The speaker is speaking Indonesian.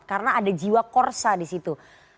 karena ada jiwa korsa di situ